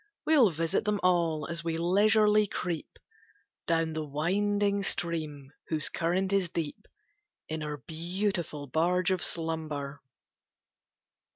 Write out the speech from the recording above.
We'll visit them all as we leisurely creep Down the winding stream whose current is deep, In our beautiful barge of Slumber.